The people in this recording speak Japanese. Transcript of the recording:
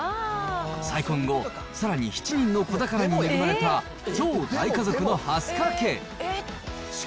再婚後、さらに７人の子宝に恵まれた超大家族の蓮香家。